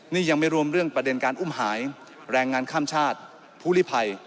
นี่ยังไม่รวมเรื่องประเด็นการอุ้มหายแรงงานข้ามชาติภูลิภัย